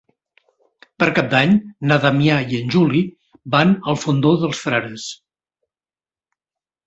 Per Cap d'Any na Damià i en Juli van al Fondó dels Frares.